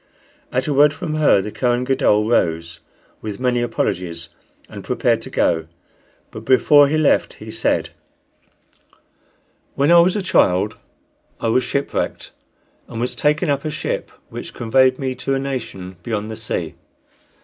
At a word from her the Kohen Gadol rose, with many apologies, and prepared to go. But before he left he said: "When I was a child I was shipwrecked, and was taken up a ship which conveyed me to a nation beyond the sea.